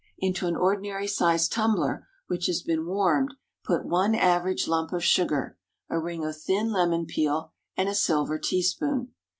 Into an ordinary sized tumbler which has been warmed, put one average lump of sugar, a ring of thin lemon peel, and a silver teaspoon.